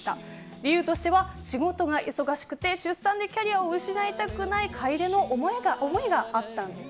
理由としては仕事が忙しくて出産でキャリアを失いたくない楓の思いがありました。